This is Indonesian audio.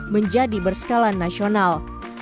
menjadi berskalan nasional